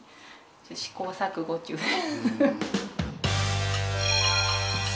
試行錯誤中です。